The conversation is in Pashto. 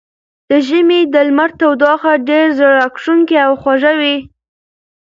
د ژمي د لمر تودوخه ډېره زړه راښکونکې او خوږه وي.